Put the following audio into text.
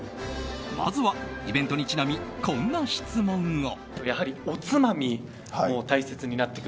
まずは、イベントにちなみこんな質問を。